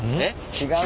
違う？